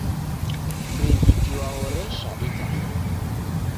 Mrighiti wahoresha itanaha